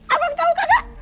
abang tau gak